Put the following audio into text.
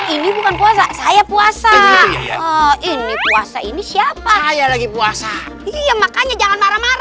ini bukan puasa saya puasa oh ini puasa ini siapa yang lagi puasa iya makanya jangan marah marah